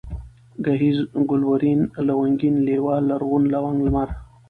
گهيځ ، گلورين ، لونگين ، لېوال ، لرغون ، لونگ ، لمر